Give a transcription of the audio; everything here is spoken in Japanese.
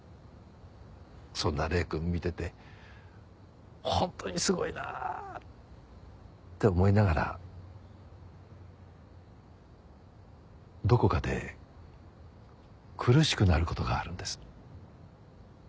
そんな礼くんを見てて本当にすごいなあ！って思いながらどこかで苦しくなる事があるんです。